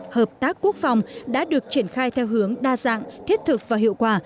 hợp tác quốc phòng đã được triển khai theo hướng đa dạng thiết thực và hiệu quả